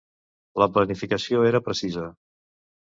La planificació era precisa.